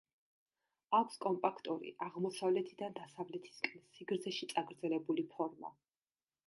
აქვს კომპაქტური, აღმოსავლეთიდან დასავლეთისკენ სიგრძეში წაგრძელებული ფორმა.